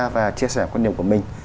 và chia sẻ quan niệm của mình